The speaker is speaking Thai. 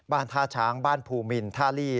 บ้านทาช้างบ้านภูมินทาลี